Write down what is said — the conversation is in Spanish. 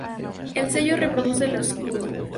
El sello reproduce el escudo.